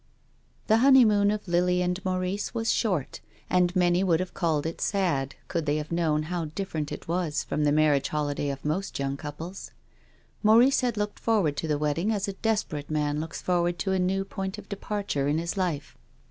The honeymoon of Lily and Maurice was short, and many would have called it sad, could they have known how different it was from the marriage holiday of most young couples. Maurice had looked forward to the wedding as a desperate man looks forward to a new point of departure in his life.